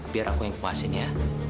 biar aku yang kupasin ya